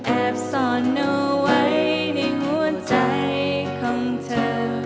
แอบสอนหนูไว้ในหัวใจของเธอ